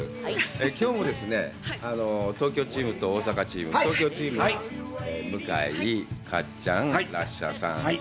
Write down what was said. きょうも東京チームと大阪チーム、東京チーム、向井、かっちゃん、ラッシャーさん。